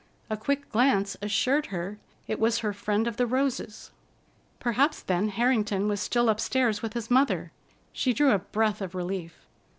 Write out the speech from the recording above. A quick glance assured her it was her friend of the roses. Perhaps, then, Harrington was still upstairs with his mother. She drew a breath of relief.